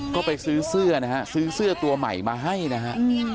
ก็ไปซื้อเสื้อนะฮะซื้อเสื้อตัวใหม่มาให้นะฮะ